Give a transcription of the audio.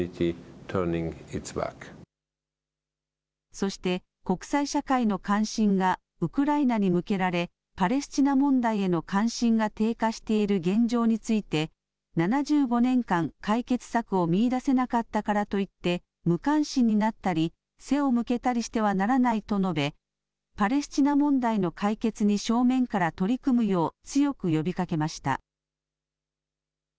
そして国際社会の関心がウクライナに向けられパレスチナ問題への関心が低下している現状について７５年間、解決策を見いだせなかったからといって無関心になったり、背を向けたりしてはならないと述べパレスチナ問題の解決に正面から取り組むよう強く呼びかけました。